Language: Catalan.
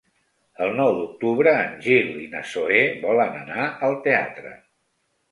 El nou d'octubre en Gil i na Zoè volen anar al teatre.